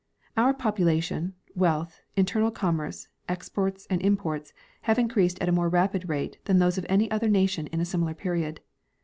Our population, wealth, internal commerce, exports and imports have increased at a more rapid rate than those of any other nation in a similar period.